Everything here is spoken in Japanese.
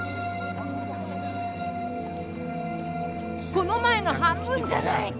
この前の半分じゃないか！